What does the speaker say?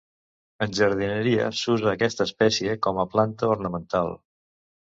En jardineria, s'usa aquesta espècie com a planta ornamental.